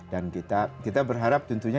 dan kita berharap tentunya